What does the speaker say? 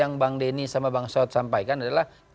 yang bang denny dan bang syaud sampaikan adalah